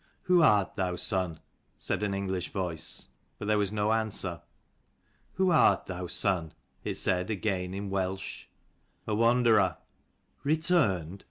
" Who art thou, son ?" said an English voice. But there was no answer. " Who art thou, son ?" it said again in Welsh. " A wanderer." " Returned?"